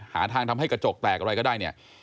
หาทางทำให้กระจกแตกอะไรก็ได้เนี่ย